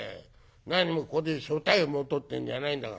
なにもここで所帯を持とうっていうんじゃないんだから。